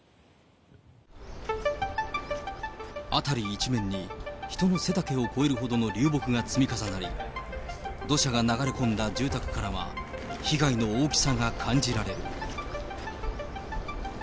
辺り一面に人の背丈を超えるほどの流木が積み重なり、土砂が流れ込んだ住宅からは、被害の大きさが感じられる。